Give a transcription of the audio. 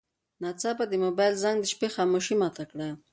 ناڅاپه د موبایل زنګ د شپې خاموشي ماته کړه.